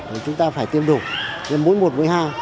thì chúng ta phải tiêm đủ mỗi một mũi hai